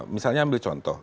misalnya ambil contoh